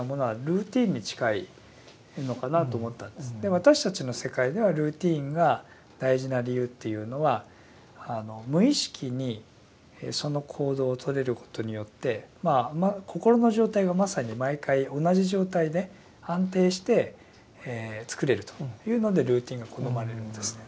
私たちの世界ではルーティンが大事な理由っていうのは無意識にその行動をとれることによって心の状態がまさに毎回同じ状態で安定してつくれるというのでルーティンが好まれるんですね。